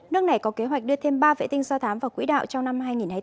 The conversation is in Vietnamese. nước này có kế hoạch đưa thêm ba vệ tinh do thám vào quỹ đạo trong năm hai nghìn hai mươi bốn